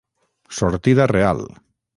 Sortida real: